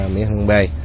miễn hương b